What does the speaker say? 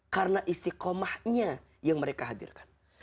karena istiqomahnya yang mereka hadirkan